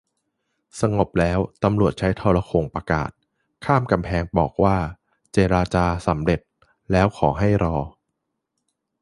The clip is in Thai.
สงบแล้ว ตำรวจใช้โทรโข่งประกาศข้ามกำแพงมาบอกว่า เจรจาสำเร็จแล้ว ขอให้รอ